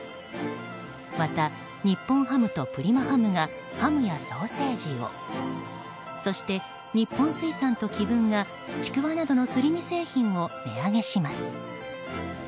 また、日本ハムとプリマハムがハムやソーセージをそして、日本水産と紀文がちくわなどのすり身製品を値上げします。